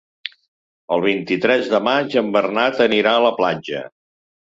El vint-i-tres de maig en Bernat anirà a la platja.